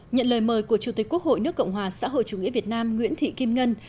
nhận lời mời của chủ tịch quốc hội nước cộng hòa xã hội chủ nghĩa việt nam nguyễn thị kim ngân